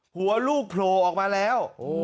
หัวลูกโผล่ออกมาแล้ว